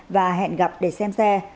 và hẹn gặp để xem xe